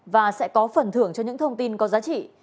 và sẽ có phần thưởng cho những thông tin có giá trị